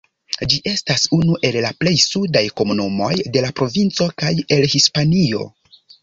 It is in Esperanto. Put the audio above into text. Ĝi estas unu el la plej sudaj komunumoj de la provinco kaj el Hispanio.